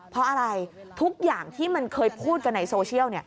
เพราะอะไรทุกอย่างที่มันเคยพูดกันในโซเชียล